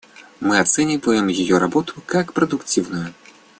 Мы оцениваем ее работу как продуктивную.